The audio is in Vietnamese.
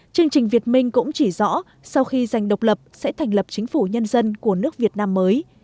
chương trình việt minh cũng chỉ rõ sau khi giành độc lập sẽ thành lập chính phủ nhân dân của nước việt nam mới